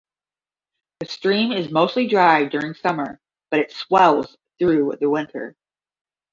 The stream is mostly dry during summer but it swells through the winter.